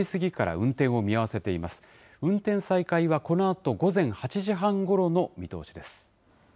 運転再開はこのあと午前８時半ごろの見通しです。